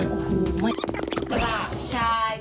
ต้องการทรายฝน